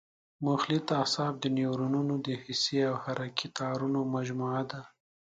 مختلط اعصاب د نیورونونو د حسي او حرکي تارونو مجموعه ده.